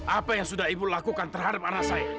apa yang sudah ibu lakukan terhadap anak saya